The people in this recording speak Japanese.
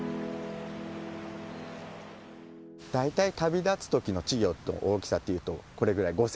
大体旅立つ時の稚魚大きさっていうとこれぐらい。